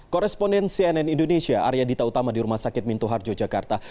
koresponden cnn indonesia arya dita utama di rumah sakit minto harjo jakarta